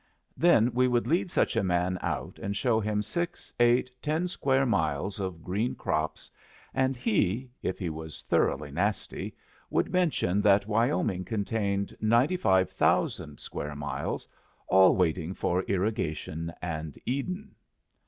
Then we would lead such a man out and show him six, eight, ten square miles of green crops; and he, if he was thoroughly nasty, would mention that Wyoming contained ninety five thousand square miles, all waiting for irrigation and Eden.